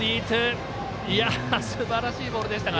すばらしいボールでしたが。